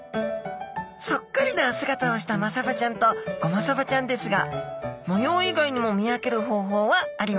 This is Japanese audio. そっくりな姿をしたマサバちゃんとゴマサバちゃんですが模様以外にも見分ける方法はあります。